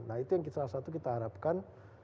nah itu yang salah satu kita harapkan